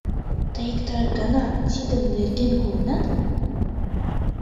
Тый иктаж-гана тидын нерген колынат?